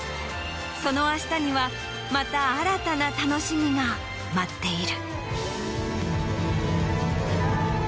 そのあしたにはまた新たな楽しみが待っている。